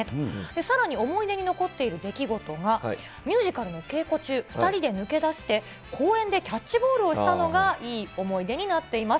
さらに思い出に残っている出来事がミュージカルの稽古中、２人で抜け出して、公園でキャッチボールをしたのが、いい思い出になってます。